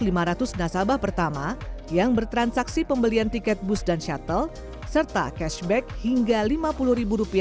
rp lima ratus nasabah pertama yang bertransaksi pembelian tiket bus dan shuttle serta cashback hingga rp lima puluh